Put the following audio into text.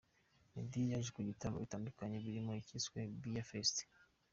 Meddy yaje mu bitaramo bitandukanye birimo icyiswe Beer Fest.